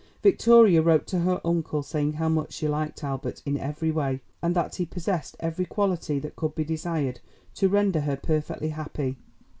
Victoria wrote to her uncle saying how much she liked Albert in every way, and that he possessed every quality that could be desired to render her perfectly happy.